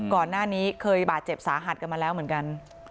ก่อนหน้านี้เคยบาดเจ็บสาหัสกันมาแล้วเหมือนกัน